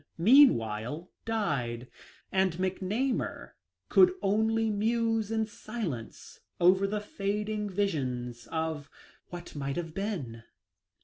meanwhile died, and McNamar could only muse in silence over the fading visions of " what might have been."